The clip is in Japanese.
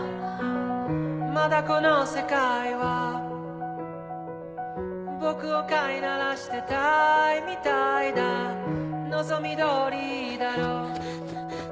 まだこの世界は僕を飼いならしてたいみたいだ望みどおりいいだろう